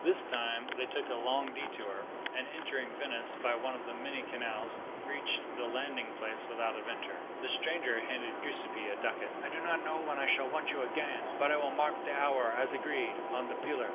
This time they took a long detour, and, entering Venice by one of the many canals, reached the landing place without adventure. The stranger handed Giuseppi a ducat. "I do not know when I shall want you again; but I will mark the hour, as agreed, on the pillar.